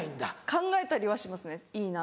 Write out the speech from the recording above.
考えたりはしますねいいな。